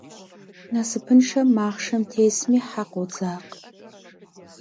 Nasıpınşşem maxhşşem têsmi he khodzakhe.